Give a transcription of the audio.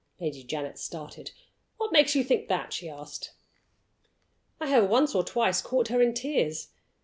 Lady Janet started. "What makes you think that?" she asked. "I have once or twice caught her in tears.